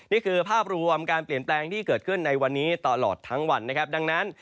นี่คือภาพรวมการเปลี่ยนแปลงที่เกิดขึ้นในวันนี้ตลอดทั้งวันนะครับดังนั้น